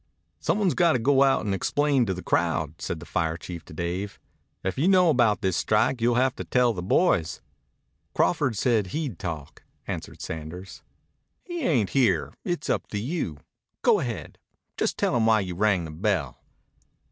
"Some one's got to go out and explain to the crowd," said the fire chief to Dave. "If you know about this strike you'll have to tell the boys." "Crawford said he'd talk," answered Sanders. "He ain't here. It's up to you. Go ahead. Just tell 'em why you rang the bell."